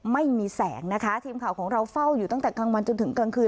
ไม่มีแสงนะคะทีมข่าวของเราเฝ้าอยู่ตั้งแต่กลางวันจนถึงกลางคืน